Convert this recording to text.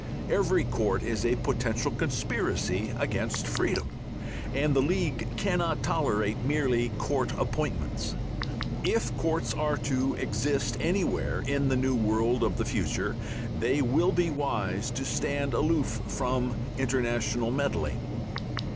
Every court is a potential conspiracy against freedom, and the League cannot tolerate merely court appointments. If courts are to exist anywhere in the new world of the future, they will be wise to stand aloof from international meddling.